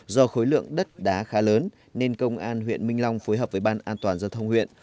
do khối lượng đất đá khá lớn nên công an huyện minh long phối hợp với ban an toàn giao thông huyện